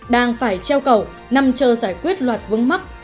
đang phải treo cầu nằm chờ giải quyết loạt vướng mắc